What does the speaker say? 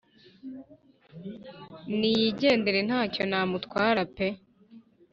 niyigendere ntacyo namutwara pee